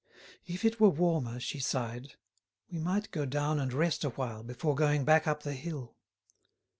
"If it were warmer," she sighed, "we might go down and rest awhile before going back up the hill."